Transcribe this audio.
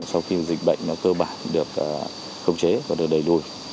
sau khi dịch bệnh nó cơ bản được không chế và được đẩy lùi